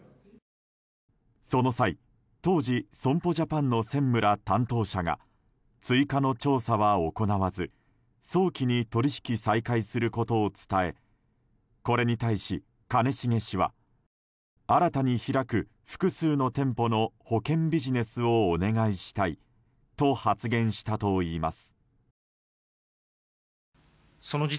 その際、当時損保ジャパンの専務ら担当者が追加の調査は行わず早期に取引再開することを伝えこれに対し兼重氏は新たに開く複数の店舗の保険ビジネスをお願いしたいと発言したといいます。